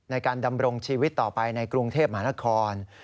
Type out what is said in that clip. ในการดำรงชีวิตต่อไปในกรุงเทพมหานคร